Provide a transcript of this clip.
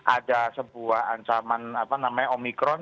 ada sebuah ancaman apa namanya omikron